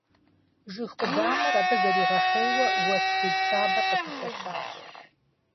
Жыг къудамэр абы зэригъэхъейуэ уэс хужь щабэр къыпыщэщащ.